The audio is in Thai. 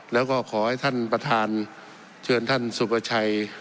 แล้วก็ขอให้ท่านประธานเชิญท่านสุประชัย